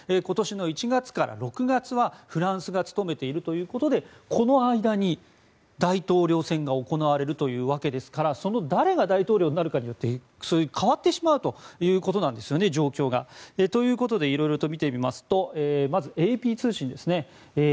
今年の１月から６月はフランスが務めているということでこの間に大統領選が行われるということですから誰が大統領になるかということで変わってしまうということなんですね、状況が。ということでいろいろ見てみるとまずＡＰ通信。